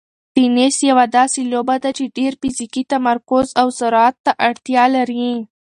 تېنس یوه داسې لوبه ده چې ډېر فزیکي تمرکز او سرعت ته اړتیا لري.